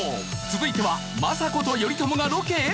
続いては政子と頼朝がロケへ！？